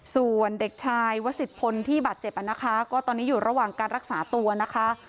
ส่วนเด็กชายวสิทธพลที่บาดเจ็บนะคะก็ตอนนี้อยู่ระหว่างการรักษาตัวนะคะ